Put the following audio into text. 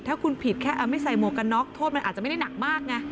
ถ้าคุณผิดแค่ไม่ใส่หมวกกันน็อกโทษมันอาจจะไม่ได้หนักมากไง